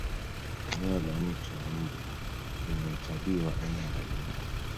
eneo la mto wa mbu lina utalii wa aina mbalimbali